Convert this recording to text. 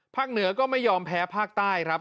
เหนือก็ไม่ยอมแพ้ภาคใต้ครับ